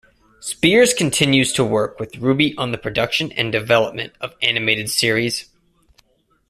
Spears continues to work with Ruby on the production and development of animated series.